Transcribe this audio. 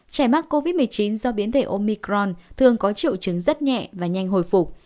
trẻ mắc covid một mươi chín do biến thể omicron thường có triệu chứng rất nhẹ và nhanh hồi phục